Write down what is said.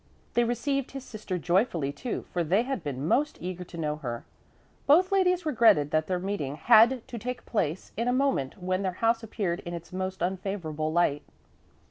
They received his sister joyfully, too, for they had been most eager to know her. Both ladies regretted that their meeting had to take place in a moment when their house appeared in its most unfavorable light.